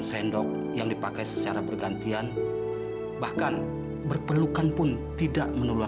sampai jumpa di video selanjutnya